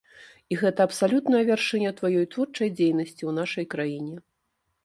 І гэта абсалютна вяршыня тваёй творчай дзейнасці ў нашай краіне.